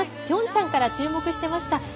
ピョンチャンから注目していました。